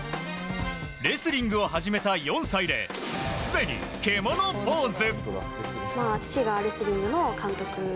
レスリングを始めた４歳ですでに、獣ポーズ！